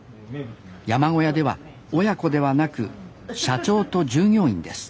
山小屋では親子ではなく社長と従業員です